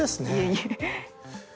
いえいえ。